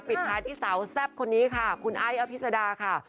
ปิดท้ายที่สาวแซ่บคนนี้ค่ะคุณไอ้อภิษดาค่ะ